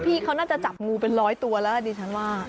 เพราะพี่เขาน่าจะจับงูเป็น๑๐๐ตัวแล้วดิฉันว่า